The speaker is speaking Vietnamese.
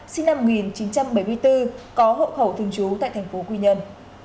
sinh năm một nghìn chín trăm bảy mươi bốn có hộ khẩu thường trú tại tp quy nhân